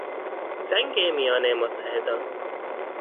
جنگ میان متحدان